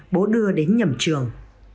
bố đưa đến nhầm trường